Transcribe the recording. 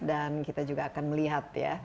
dan kita juga akan melihat ya